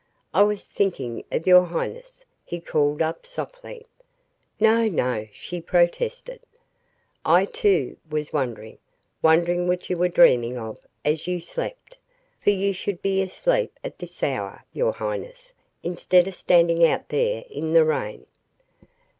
"I was thinking of your highness," he called up, softly. "No, no!" she protested. "I, too, was wondering wondering what you were dreaming of as you slept, for you should be asleep at this hour, your highness, instead of standing out there in the rain."